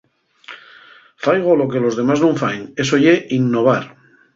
Faigo lo que los demás nun faen, eso ye innovar.